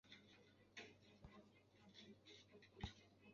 勐腊鞭藤为棕榈科省藤属下的一个种。